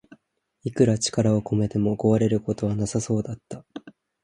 いくら力を込めても壊れることはなさそうだった